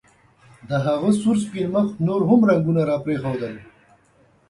د هغه سور سپین مخ نور هم رنګونه راپرېښودل